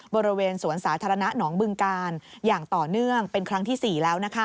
บริเวณสวนสาธารณะหนองบึงกาลอย่างต่อเนื่องเป็นครั้งที่๔แล้ว